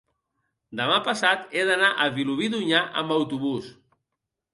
demà passat he d'anar a Vilobí d'Onyar amb autobús.